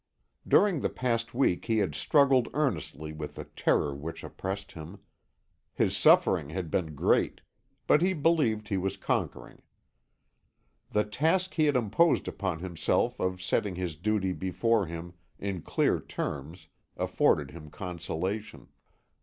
During the past week he had struggled earnestly with the terror which oppressed him; his suffering had been great, but he believed he was conquering. The task he had imposed upon himself of setting his duty before him in clear terms afforded him consolation.